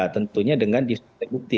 tentunya dengan disertai bukti